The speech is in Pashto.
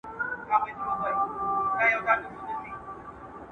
تاسي په هټې کي څه وکتی؟